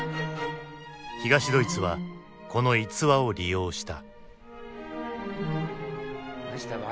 東ドイツはこの逸話を利用した。